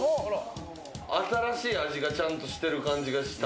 新しい味がちゃんとしている感じがした。